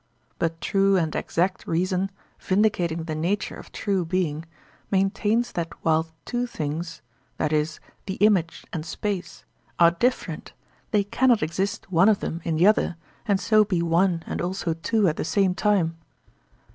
But true and exact reason, vindicating the nature of true being, maintains that while two things (i.e. the image and space) are different they cannot exist one of them in the other and so be one and also two at the same time.